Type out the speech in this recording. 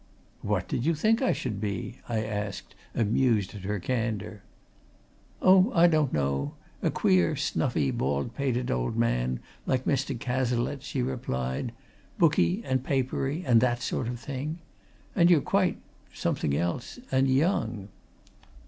"What did you think I should be?" I asked, amused at her candour. "Oh, I don't know a queer, snuffy, bald pated old man, like Mr. Cazalette," she replied. "Booky, and papery, and that sort of thing. And you're quite something else and young!"